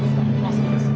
そうです。